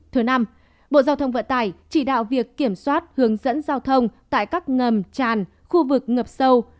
thứ năm bộ giao thông vận tải chỉ đạo việc kiểm soát hướng dẫn giao thông tại các ngầm tràn khu vực ngập sâu